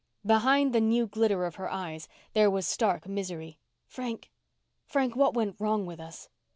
Behind the new glitter of her eyes there was stark misery. "Frank Frank what went wrong with us?"